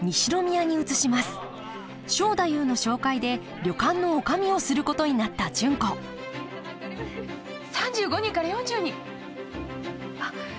正太夫の紹介で旅館の女将をすることになった純子３５人から４０人あっ高校野球の？